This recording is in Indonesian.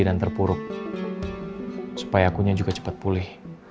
akunya juga cepat pulih